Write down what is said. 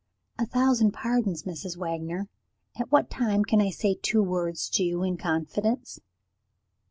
"A thousand pardons, Mrs. Wagner! At what time can I say two words to you in confidence?"